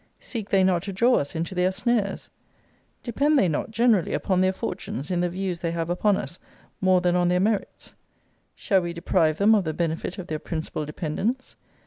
Seek they not to draw us into their snares? Depend they not, generally, upon their fortunes, in the views they have upon us, more than on their merits? Shall we deprive them of the benefit of their principal dependence?